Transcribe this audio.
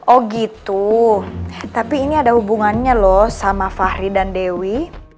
oh gitu tapi ini ada hubungannya loh sama fahri dan dewi